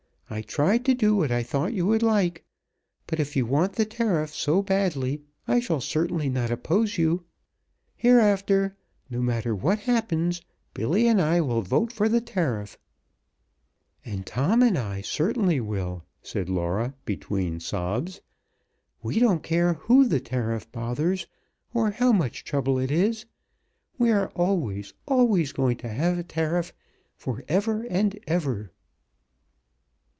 "I tried to do what I thought you would like, but if you want the tariff so badly I shall certainly not oppose you. Hereafter, no matter what happens, Billy and I will vote for the tariff!" "And Tom and I certainly will," said Laura between sobs. "We don't care who the tariff bothers, or how much trouble it is. We are always, always going to have a tariff for ever and ever!"